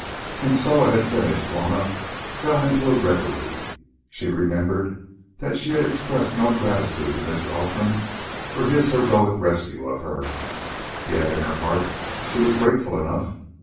When Soa had finished Juanna fell into a reverie. She remembered that she had expressed no gratitude to Mr. Outram for his heroic rescue of her. Yet in her heart she was grateful enough.